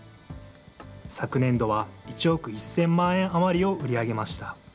昨年度は１億１０００万円余りを売り上げました。